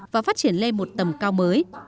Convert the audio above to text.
và phát triển lên một tầm cao mới